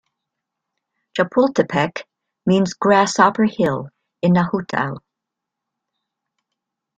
Chapultepec means "grasshopper hill" in Nahuatl.